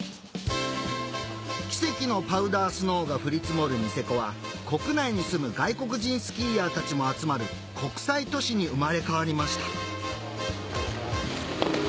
奇跡のパウダースノーが降り積もるニセコは国内に住む外国人スキーヤーたちも集まる国際都市に生まれ変わりました